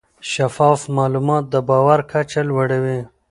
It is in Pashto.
شفاف معلومات د باور کچه لوړه وي.